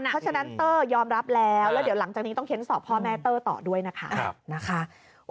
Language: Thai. เพราะฉะนั้นเตอร์ยอมรับแล้วแล้วเดี๋ยวหลังจากนี้ต้องเค้นสอบพ่อแม่เตอร์ต่อด้วยนะคะ